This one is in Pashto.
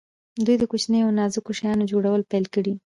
دوی د کوچنیو او نازکو شیانو جوړول پیل کړل.